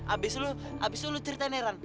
abis itu lu ceritain ya ren